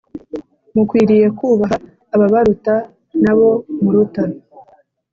Mukwiriye kubaha ababaruta nabo muruta